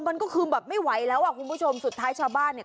มันก็คือแบบไม่ไหวแล้วอ่ะคุณผู้ชมสุดท้ายชาวบ้านเนี่ย